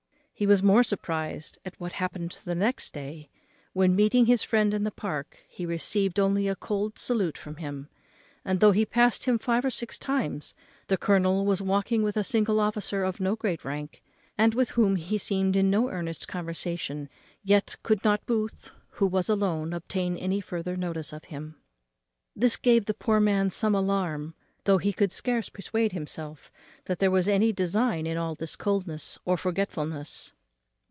He was more surprized at what happened the next day, when, meeting his friend in the Park, he received only a cold salute from him; and though he past him five or six times, and the colonel was walking with a single officer of no great rank, and with whom he seemed in no earnest conversation, yet could not Booth, who was alone, obtain any further notice from him. This gave the poor man some alarm; though he could scarce persuade himself that there was any design in all this coldness or forgetfulness.